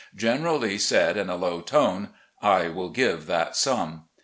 General Lee said in a low tone, 'I will give that sum.